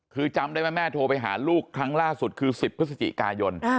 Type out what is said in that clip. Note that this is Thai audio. คือจำได้ไหมแม่โทรไปหาลูกครั้งล่าสุดคือ๑๐พฤศจิกายน